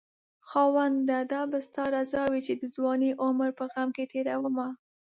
خاونده دا به ستا رضاوي چې دځوانۍ عمر په غم کې تيرومه